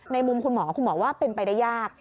มุมคุณหมอคุณหมอว่าเป็นไปได้ยาก